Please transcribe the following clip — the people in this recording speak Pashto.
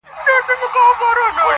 o د ملا لوري نصيحت مه كوه .